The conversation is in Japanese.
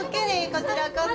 こちらこそ。